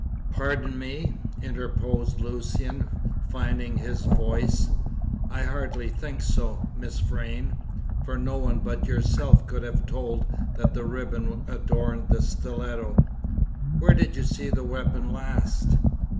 "Pardon me," interposed Lucian, finding his voice, "I hardly think so, Miss Vrain; for no one but yourself could have told that the ribbon adorned the stiletto. Where did you see the weapon last?"